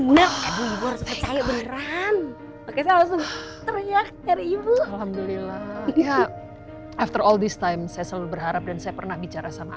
teriak alhamdulillah ya after all this time saya selalu berharap dan saya pernah bicara sama